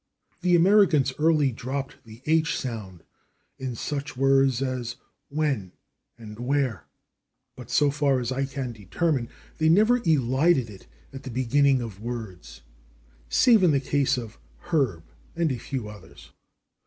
The Americans early dropped the /h/ sound in such words as /when/ and /where/, but so far as I can determine they never elided it at the beginning of words, save in the case of /herb/, and a few others.